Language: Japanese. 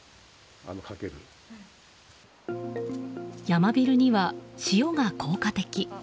ヤマビルには塩が効果的。